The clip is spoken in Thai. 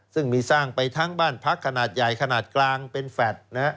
ซึ่งมีสร้างไปทั้งบ้านพักขนาดใหญ่ขนาดกลางเป็นแฟลตนะฮะ